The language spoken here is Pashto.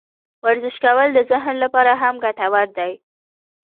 ورزش کول د ذهن لپاره هم ګټور دي.